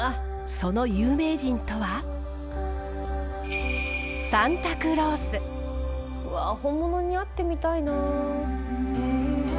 その有名人とはうわ本物に会ってみたいな。